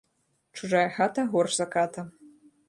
Чужая хата горш за ката